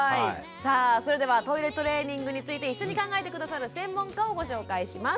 さあそれではトイレトレーニングについて一緒に考えて下さる専門家をご紹介します。